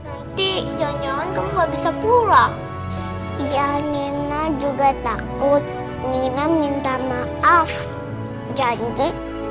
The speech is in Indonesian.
nanti jangan jangan nggak bisa pulang ya nina juga takut nina minta maaf janji